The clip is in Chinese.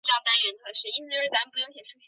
帕坦王宫广场是尼瓦尔建筑的重要代表作。